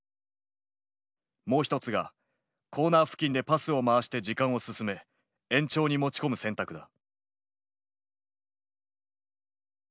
もう一つがコーナー付近でパスを回して時間を進め延長に持ち込む選択だ。